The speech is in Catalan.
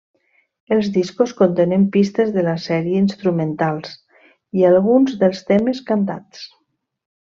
Els discos contenen pistes de la sèrie instrumentals i alguns dels temes cantats.